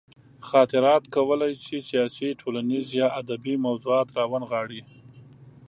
خاطرات کولی شي سیاسي، ټولنیز یا ادبي موضوعات راونغاړي.